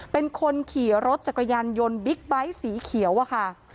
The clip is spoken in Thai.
เป็นคนขี่รถจักรยานยนต์บิ๊กไบท์สีเขียวอะค่ะ